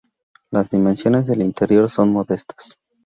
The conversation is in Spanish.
Las dimensiones del interior son modestas.